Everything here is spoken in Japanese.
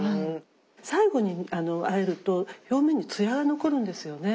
最後にあえると表面に艶が残るんですよね。